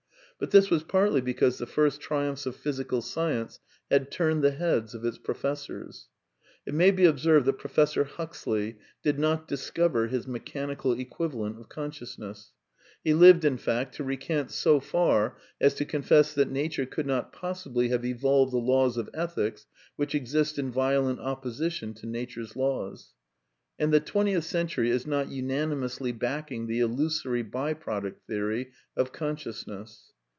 But this was partly because the first triumphs of physical science had turned the heads of its professors. It may be observed that Professor Huxley did not discover his " mechanical equivalent of consciousness "; he lived, in f act, to recant so far as to confess that Nature could not possibly have evolved the laws of Ethics which exist in violent opposition to Nature's laws. And the twentieth century is not unanimously backing the illusory by product theory of consciousness.